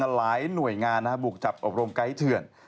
หลายหน่วยงานบุกจับอบรมไกด์เถื่อน